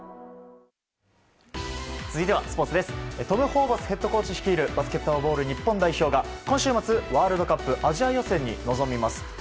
トム・ホーバスヘッドコーチ率いるバスケットボール日本代表が、今週末ワールドカップアジア予選に臨みます。